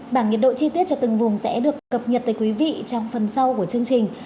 bản nhiệt độ chi tiết cho từng vùng sẽ được cập nhật tới quý vị trong phần sau của chương trình